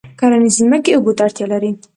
کرنیزې ځمکې اوبو ته اړتیا لري.